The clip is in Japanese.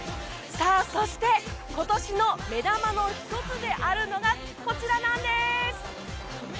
そして、今年の目玉の１つであるのがこちらなんです。